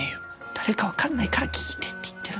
誰か分かんないから聞いてって言ってるの。